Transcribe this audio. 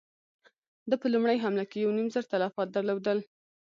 ده په لومړۍ حمله کې يو نيم زر تلفات درلودل.